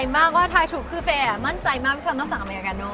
มากว่าทายถูกคือเฟย์มั่นใจมากว่าเราสั่งอเมยาแกนโน